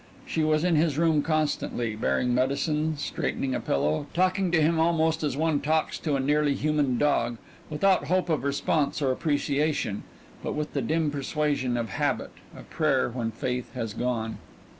She was in his room constantly, bearing medicine, straightening a pillow, talking to him almost as one talks to a nearly human dog, without hope of response or appreciation, but with the dim persuasion of habit, a prayer when faith has gone.